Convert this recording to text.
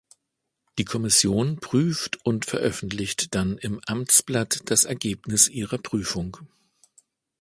Die Kommission prüft und veröffentlicht dann im Amtsblatt das Ergebnis ihrer Prüfung.